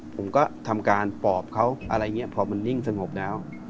ผมก็ทำการปอบเพราะมันนิ่งสงบแล้ว